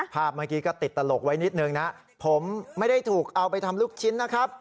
ภาพเมื่อกี้ก็ติดตลกไว้นิดนึงนะผมไม่ได้ถูกเอาไปทำลูกชิ้นนะครับ